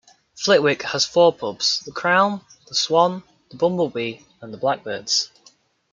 Flitwick has four pubs; the Crown, the Swan, the Bumble Bee and the Blackbirds.